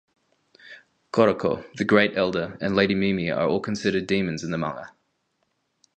Koroko, The Great Elder and Lady Mimi are all considered demons in the manga.